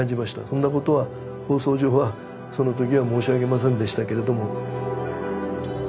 そんなことは放送上はそのときは申し上げませんでしたけれども。